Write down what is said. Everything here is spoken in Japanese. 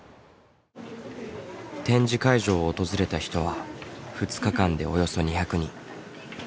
展示会場を訪れた人は２日間でおよそ２００人。